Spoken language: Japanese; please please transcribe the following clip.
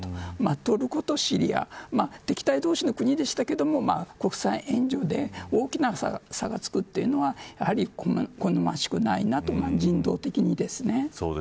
トルコとシリア敵対同士の国でしたけど国際援助で大きな差がつくというのはやはり好ましくないなと人道的にですね。